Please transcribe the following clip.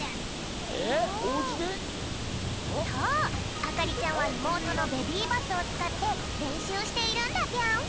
そうあかりちゃんはいもうとのベビーバスをつかってれんしゅうしているんだぴょん！